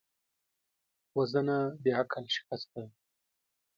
وژنه د عقل شکست دی